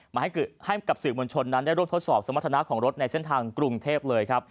ให้กับสื่อมวลชนนั้นได้ร่วมทดสอบสมรรถนาของรถในเส้นทางกรุงเทพเลยครับ